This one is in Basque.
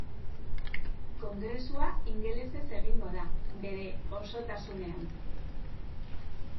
Kongresua ingelesez egingo da bere osotasunean.